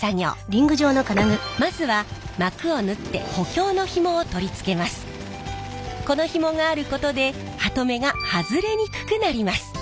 まずはこのヒモがあることでハトメが外れにくくなります。